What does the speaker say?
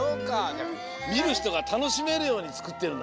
じゃあみるひとがたのしめるようにつくってるんだね。